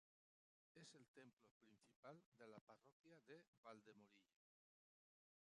Es el templo principal de la parroquia de Valdemorillo.